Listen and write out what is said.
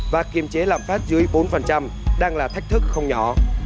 và kiềm chế lạm phát dưới bốn đang là thách thức không nhỏ